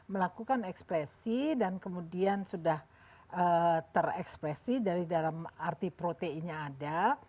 melakukan ekspresi dan kemudian sudah terekspresi dari dalam arti proteinnya ada